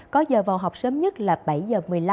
có giờ vào học sớm nhất là bảy giờ một mươi năm